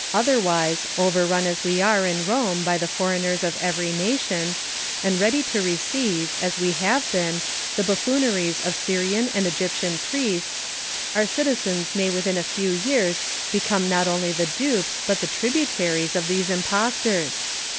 Quinctus. Otherwise, overrun as we are in Rome by foreigners of every nation, and ready to receive, as we have been, the buffooneries of Syrian and Egyptian priests, our citizens may within a few years become not only the dupes, but the tributaries, of these impostors.